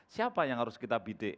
siapa yang harus kita bidik